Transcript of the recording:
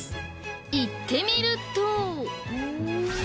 行ってみると。